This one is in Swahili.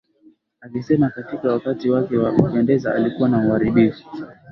akisema Katika wakati wake wa kupendeza alikuwa na uharibifu